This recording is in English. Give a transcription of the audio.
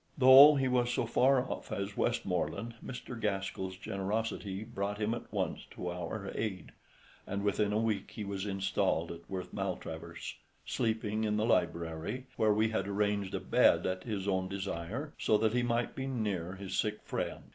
Though he was so far off as Westmorland, Mr. Gaskell's generosity brought him at once to our aid, and within a week he was installed at Worth Maltravers, sleeping, in the library, where we had arranged a bed at his own desire, so that he might be near his sick friend.